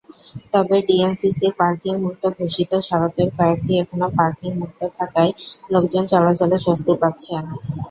তবে ডিএনসিসির পার্কিংমুক্ত ঘোষিত সড়কের কয়েকটি এখনো পার্কিংমুক্ত থাকায় লোকজন চলাচলে স্বস্তি পাচ্ছেন।